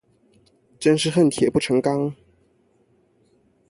真是恨鐵不成鋼